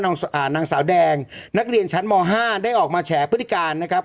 นางสาวแดงนักเรียนชั้นม๕ได้ออกมาแฉพฤติการนะครับ